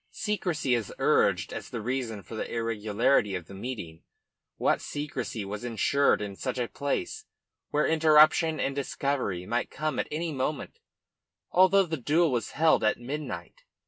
Secrecy is urged as the reason for the irregularity of the meeting. What secrecy was ensured in such a place, where interruption and discovery might come at any moment, although the duel was held at midnight?